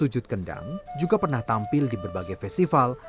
jaduk feryanto juga pernah tampil di berbagai festival